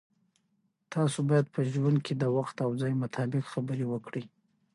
تاسو باید په ژوند کې د وخت او ځای مطابق خبرې وکړئ.